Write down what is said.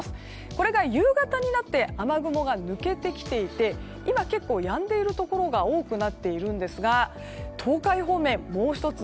これが夕方になって雨雲が抜けてきていて今、結構やんでいるところが多くなっているんですが東海方面、もう１つ